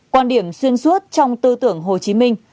quan điểm xuyên suốt trong tư tưởng hồ chí minh